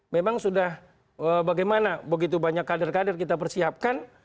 memang sudah bagaimana begitu banyak kader kader kita persiapkan